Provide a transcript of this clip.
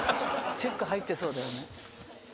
チェック入ってそうだよね